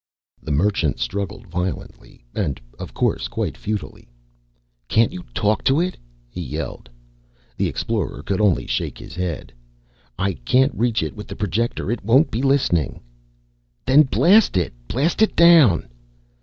The Merchant struggled violently and, of course, quite futilely. "Can't you talk to it?" he yelled. The Explorer could only shake his head. "I can't reach it with the Projector. It won't be listening." "Then blast it. Blast it down."